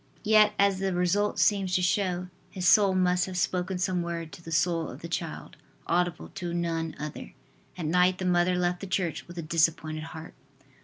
Yet, as the result seems to show, his soul must have spoken some word to the soul of the child, audible to none other. At night the mother left the church with a disappointed heart.